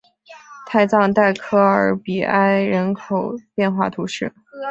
泰藏代科尔比埃人口变化图示